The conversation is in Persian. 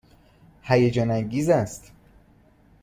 هیجان انگیز است.